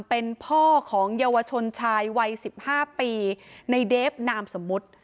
เป็นพ่อของเยาวชนชายวัย๑๕ปีในเดฟนามสมมุติ